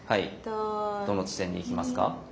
どの地点に行きますか？